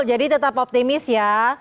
jadi tetap optimis ya